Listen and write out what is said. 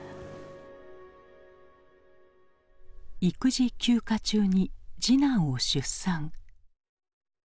育児休暇中に次男を出産。